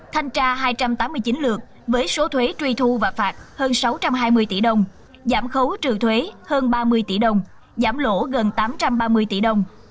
thanh tra hai trăm tám mươi chín lượt với số thuế truy thu và phạt hơn sáu trăm hai mươi tỷ đồng giảm khấu trừ thuế hơn ba mươi tỷ đồng giảm lỗ gần tám trăm ba mươi tỷ đồng